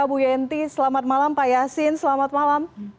bu yenty selamat malam pak yasin selamat malam